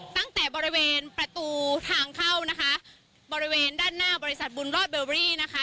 ตั้งแต่บริเวณประตูทางเข้านะคะบริเวณด้านหน้าบริษัทบุญรอดเบอรี่นะคะ